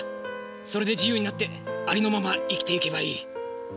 それで自由になってありのまま生きていけばいい。